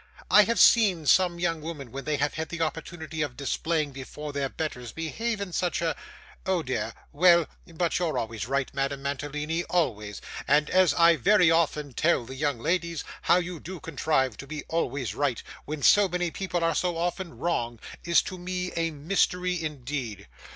I have seen some young women when they had the opportunity of displaying before their betters, behave in such a oh, dear well but you're always right, Madame Mantalini, always; and as I very often tell the young ladies, how you do contrive to be always right, when so many people are so often wrong, is to me a mystery indeed.